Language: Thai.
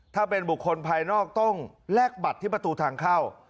ถ้าเป็นบุคคลภายนอกต้องแลกบัตรที่ประตูทางเข้า